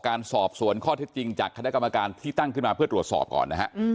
การสอบส่วนข้อที่จริงจากคกรที่ตั้งขึ้นมาเพื่อตรวจสอบก่อน